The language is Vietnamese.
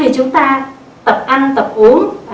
chúng ta tập ăn tập uống